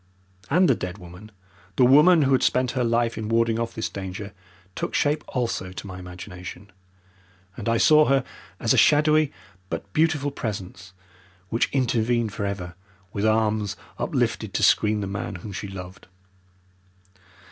And the dead woman, the woman who had spent her life in warding off this danger, took shape also to my imagination, and I saw her as a shadowy but beautiful presence which intervened for ever with arms uplifted to screen the man whom she loved.